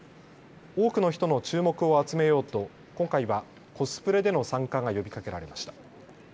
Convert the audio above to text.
多くの人の注目を集めようと今回はコスプレでの参加が呼びかけられました。